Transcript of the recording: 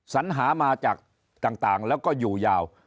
สัญหามาจากต่างแล้วก็อยู่ยาว